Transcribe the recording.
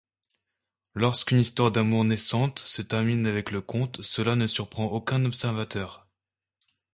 Lorsqu'une histoire d'amour naissante se termine avec le conte, cela ne surprend aucun observateur.